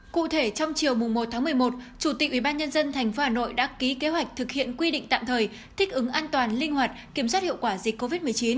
cụ thể trong chiều một một mươi một chủ tịch ubnd tp hà nội đã ký kế hoạch thực hiện quy định tạm thời thích ứng an toàn linh hoạt kiểm soát hiệu quả dịch covid một mươi chín